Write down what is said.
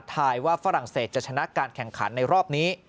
ว่าฝรั่งเศสจะชนะการแข่งขันในรอบนี้